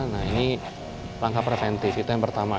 nah ini langkah preventif itu yang pertama